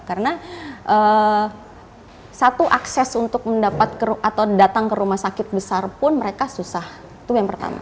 karena satu akses untuk mendapat atau datang ke rumah sakit besar pun mereka susah itu yang pertama